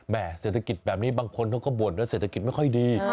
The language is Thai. เศรษฐกิจแบบนี้บางคนเขาก็บ่นว่าเศรษฐกิจไม่ค่อยดี